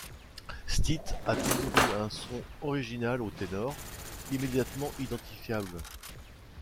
Stitt a toujours eu un son original au ténor, immédiatement identifiable.